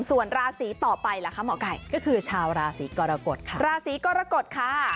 ส่วนราศีต่อไปล่ะคะหมอไก่ก็คือชาวราศีกรกฎค่ะราศีกรกฎค่ะ